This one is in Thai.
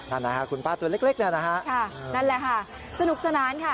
นั่นนะฮะคุณป้าตัวเล็กเนี่ยนะฮะค่ะนั่นแหละค่ะสนุกสนานค่ะ